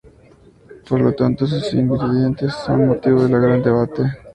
Por lo tanto, sus ingredientes son motivo de gran debate.